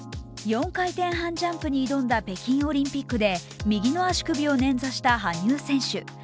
４回転半ジャンプに挑んだ北京オリンピックで右の足首をねんざした羽生選手。